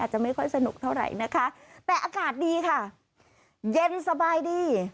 จะไม่ค่อยสนุกเท่าไหร่นะคะแต่อากาศดีค่ะเย็นสบายดี